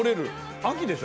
秋でしょ？